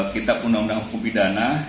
kitab undang undang hukum pidana